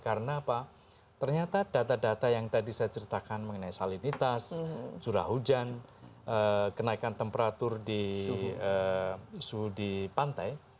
karena pak ternyata data data yang tadi saya ceritakan mengenai salinitas curah hujan kenaikan temperatur di pantai